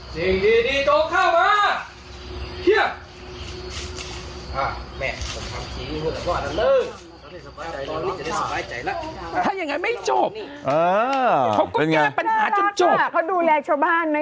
สิ่งไม่ดีช่วยเราไป